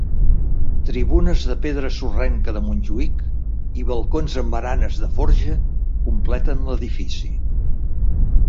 Tribunes de pedra sorrenca de Montjuïc i balcons amb baranes de forja completen l'edifici.